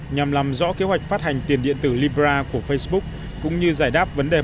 nhằm làm rõ kế hoạch phát hành tiền điện tử libra của facebook cũng như giải đáp vấn đề bảo mật dữ liệu